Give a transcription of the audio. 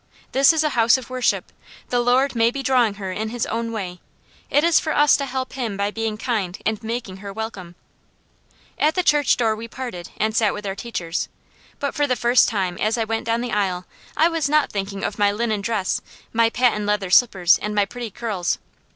This is a house of worship. The Lord may be drawing her in His own way. It is for us to help Him by being kind and making her welcome." At the church door we parted and sat with our teachers, but for the first time as I went down the aisle I was not thinking of my linen dress, my patent leather slippers, and my pretty curls.